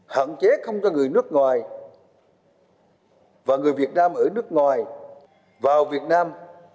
hạn chế không cho người nước ngoài và người việt nam ở nước ngoài vào việt nam